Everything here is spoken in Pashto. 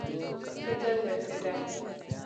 ښځه لړزېده.